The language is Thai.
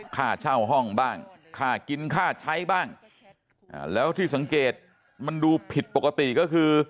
ค่าเช่าห้องบ้างค่ากินค่าใช้บ้างแล้วที่สังเกตมันดูผิดปกติก็คือ